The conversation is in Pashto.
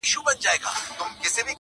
په ښاديو نعمتونو يې زړه ښاد وو!!